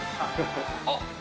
あっ！